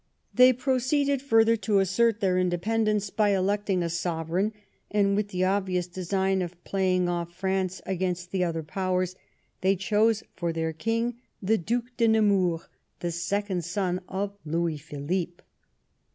They proceeded further to assert their independence by electing a sovereign, and, with the obvious design of playing off France against the other Powers, they chose for their King the Due de Nemours, the second son of Louis Philippe.